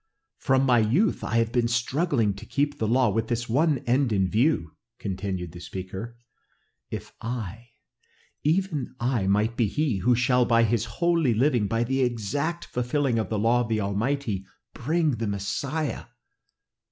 "From my youth have I been struggling to keep the law with this one end in view!" continued the speaker. "If I, even I, might be he who shall by his holy living, by the exact fulfilling of the law of the Almighty, bring the Messiah!